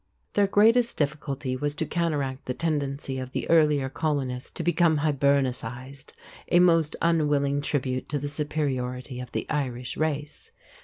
Their greatest difficulty was to counteract the tendency of the earlier colonists to become Hibernicized a most unwilling tribute to the superiority of the Irish race.